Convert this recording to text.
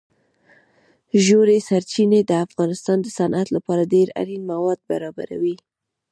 ژورې سرچینې د افغانستان د صنعت لپاره ډېر اړین مواد برابروي.